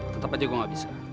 tetap aja gue gak bisa